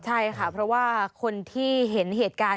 ใช่ค่ะเพราะว่าคนที่เห็นเหตุการณ์